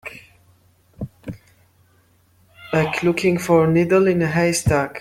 Like looking for a needle in a haystack.